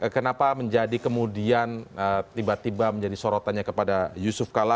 kenapa menjadi kemudian tiba tiba menjadi sorotannya kepada yusuf kala